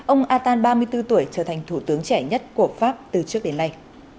ông attan ba mươi bốn tuổi trở thành thủ tướng trẻ nhất của pháp từ trước đến nay